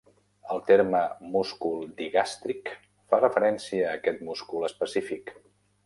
El terme "múscul digàstric" fa referència a aquest múscul específic.